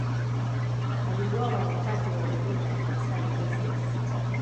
Aliuawa wakati wa dhuluma ya kaisari Decius.